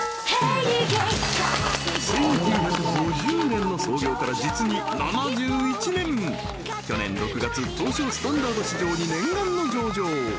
１９５０年の創業から実に７１年去年６月東証スタンダード市場に念願の上場！